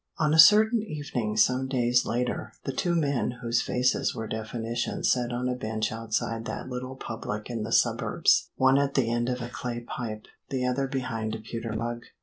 ON a certain evening some days later, the two men whose faces were definitions sat on a bench outside that little public in the suburbs one at the end of a clay pipe, the other behind a pewter mug.